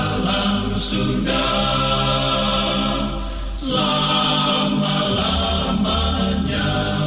dalam surga selama lamanya